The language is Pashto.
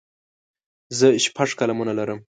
زه شپږ قلمونه لرم.